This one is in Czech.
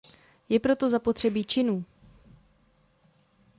Je proto zapotřebí činů.